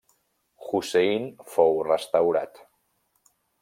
Hussein fou restaurat.